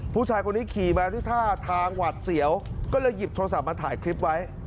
ธุรกิจของมีทางหวัดเสียวก็เลยหยิบโทรศัพท์มาถ่ายคลิปไว้